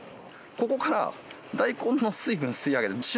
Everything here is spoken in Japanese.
ここから大根の水分吸い上げる。